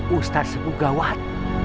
ustaz sebuah gawat